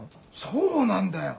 そうなんだよ。